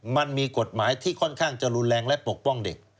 มันมีกฎหมายที่ค่อนข้างจะรุนแรงและปกป้องเด็ก